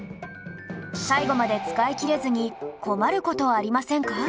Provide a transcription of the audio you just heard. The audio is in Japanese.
最後まで使い切れずに困る事ありませんか？